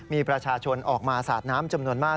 มีประชาชนออกมาสาดน้ำจำนวนมาก